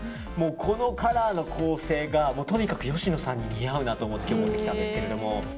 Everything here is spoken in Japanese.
このカラーの構成がとにかく芳野さんに似合うなと思って決めてきたんですけど。